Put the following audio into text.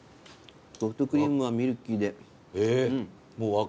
ソフトクリームはミルキーで。